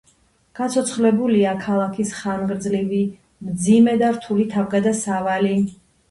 გაცოცხლებულია ქალაქის ხანგრძლივი, მძიმე და რთული თავგადასავალი.